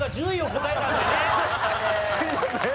すいません。